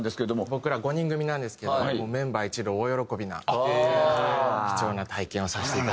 僕ら５人組なんですけれどもメンバー一同大喜びな貴重な体験をさせていただいてありがとうございます。